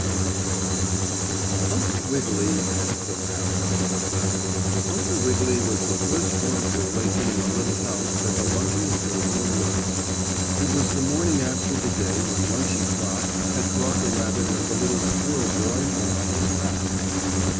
STORY XXIV UNCLE WIGGILY AND THE PARROT Uncle Wiggily was the first one to awaken in the little house that the monkey had built in the woods. It was the morning after the day when Munchie Trot had brought the rabbit and the little squirrel boy home on his back.